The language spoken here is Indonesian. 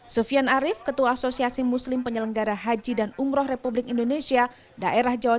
sufian arief ketua asosiasi muslim penyelenggara haji dan umroh republik indonesia daerah jawa